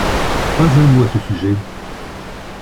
Pas un mot à ce sujet.